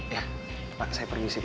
iya pak saya pergi sih pak